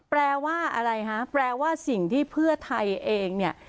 แปลว่าอะไรคะแปลว่าสิ่งที่เพื่อไทยเองเนี่ย